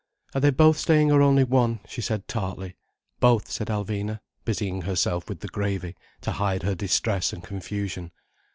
"Are they both staying, or only one?" she said tartly. "Both," said Alvina, busying herself with the gravy, to hide her distress and confusion.